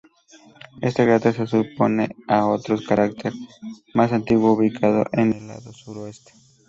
Este cráter se superpone a otro cráter más antiguo ubicado en el lado suroeste.